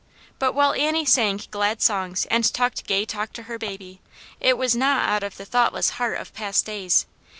But while Annie sang glad songs and talked gay talk to her baby, it was not out of the thoughtless heart of past days.